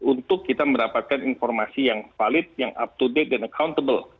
untuk kita mendapatkan informasi yang valid yang up to date dan accountable